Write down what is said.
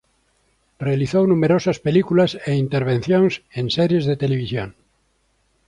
Realizou numerosas películas e intervencións en series de televisión.